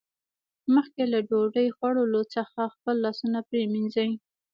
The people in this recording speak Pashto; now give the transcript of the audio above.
مخکې له ډوډۍ خوړلو څخه خپل لاسونه پرېمینځئ